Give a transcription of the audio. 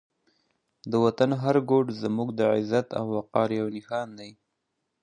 د وطن هر ګوټ زموږ د عزت او وقار یو نښان دی.